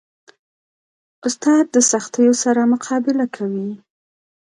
استاد د سختیو سره مقابله کوي.